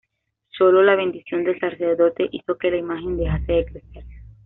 Sólo la bendición del sacerdote hizo que la imagen dejase de crecer.